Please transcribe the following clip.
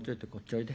おいで。